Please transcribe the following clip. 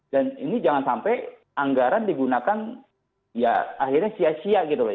dan ini jangan sampai anggaran digunakan ya akhirnya sia sia gitu loh